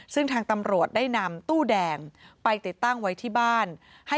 ซึ่งทางตำรวจได้นำตู้แดงไปติดตั้งไว้ที่บ้าน